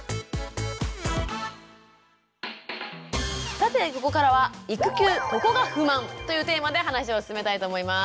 さてここからは「育休・ここが不満！」というテーマで話を進めたいと思います。